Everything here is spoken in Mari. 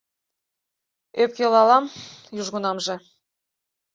Ӧпкелалам южгунамже